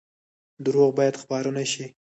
دروغ باید خپاره نشي